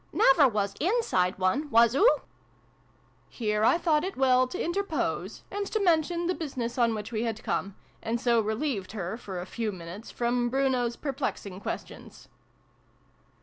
" Never was inside one. Was oo ?" Here I thought it well to interpose, and to mention the business on which we had come, and so relieved her, for a few minutes, from Bruno's perplexing questions.